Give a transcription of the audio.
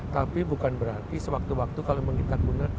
tapi bukan berarti sewaktu waktu kalau menggigitkan guna